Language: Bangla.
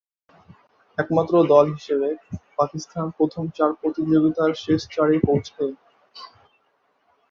একমাত্র দল হিসেবে পাকিস্তান প্রথম চার প্রতিযোগিতার শেষ চারে পৌঁছে।